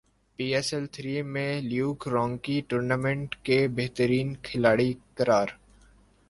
پی S L three میں Luke Ronchi tournament کے بہترین کھلاڑی قرار